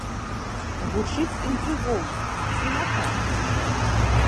Гучыць інтрыгоўна, ці не так?